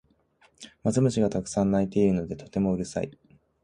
マツムシがたくさん鳴いているのでとてもうるさい